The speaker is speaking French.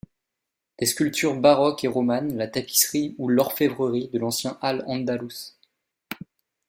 Des sculptures baroques et romanes, la tapisserie ou l'orfèvrerie de l'ancien Al-Andalus.